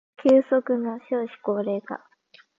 急速な少子高齢化